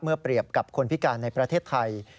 เปรียบกับคนพิการในประเทศไทย